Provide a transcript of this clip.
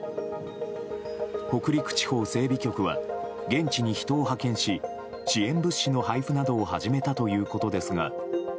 北陸地方整備局は現地に人を派遣し支援物資の配布などを始めたということですが。